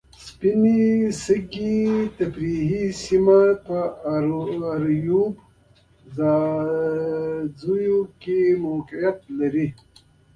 سپینې شګې تفریحي سیمه په اریوب ځاځیو کې موقیعت لري.